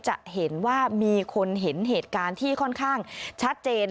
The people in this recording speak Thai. จะเห็นว่ามีคนเห็นเหตุการณ์ที่ค่อนข้างชัดเจน